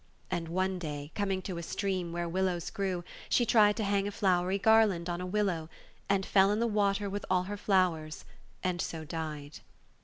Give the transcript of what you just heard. And one day, coming to a stream where willows grew, she tried to hang a flowery garland on a willow, and fell in the water with all her flowers, and so died.